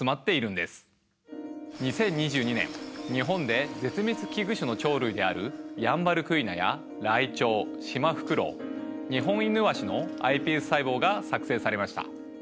２０２２年日本で絶滅危惧種の鳥類であるヤンバルクイナやライチョウシマフクロウ二ホンイヌワシのｉＰＳ細胞が作製されました。